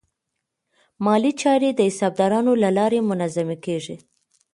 مالي چارې د حسابدارانو له لارې منظمې کېږي.